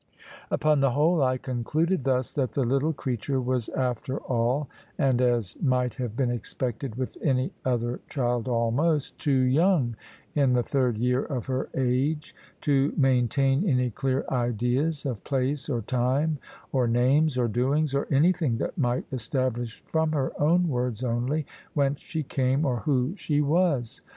Upon the whole, I concluded thus, that the little creature was after all (and as might have been expected with any other child almost) too young, in the third year of her age, to maintain any clear ideas of place, or time, or names, or doings, or anything that might establish from her own words only, whence she came or who she was.